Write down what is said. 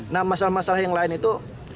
nah masalah masalah yang lain itu